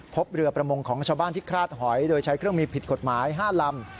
พบเรือประมงของชาวบ้านที่คลาดหอยโดยใช้เครื่องมีผิดกฎหมาย๕ลำ